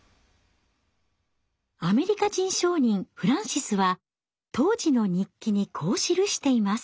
アメリカ人商人フランシスは当時の日記にこう記しています。